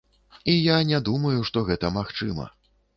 І я не думаю, што гэта магчыма.